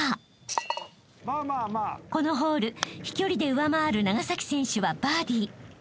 ［このホール飛距離で上回る長崎選手はバーディー］